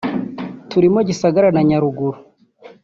turimo Gisagara na Nyaruguru